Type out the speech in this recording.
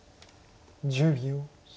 １０秒。